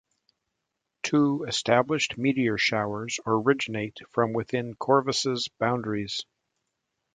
Two established meteor showers originate from within Corvus' boundaries.